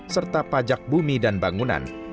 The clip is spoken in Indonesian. serta pajak bumi dan bangunan